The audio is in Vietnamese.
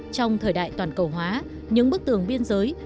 trong thời đại toàn cầu hóa những bức tường biên giới